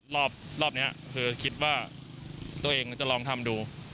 รอบนี้คือคิดว่าตัวเองจะลองทำดู